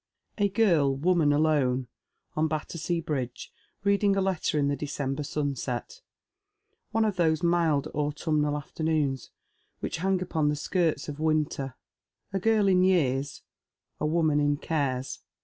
A QlRL wOMAJf alone on Battersea Bridge, reading a letter in the December sunset — one of those mild anturanal afternoons which hang upon the skirts of winter. A girl in years — a woman in cares.